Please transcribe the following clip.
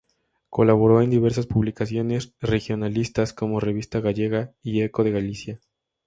Colaboró en diversas publicaciones regionalistas como "Revista Gallega" y "Eco de Galicia.